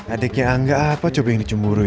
adiknya angga apa coba yang dicemurun